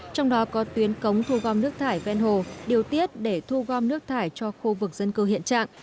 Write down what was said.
trong đó có tuyến cống thu gom nước thải ven hồ điều tiết để thu gom nước thải cho khu vực dân cư hiện trạng